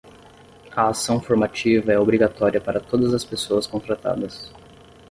A ação formativa é obrigatória para todas as pessoas contratadas.